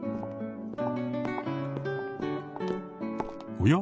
おや？